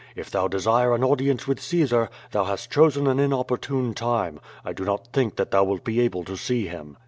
If thou desire an audience with Caesar, thou hast chosen an inopportune time. I do not think that thou wilt be able to see him."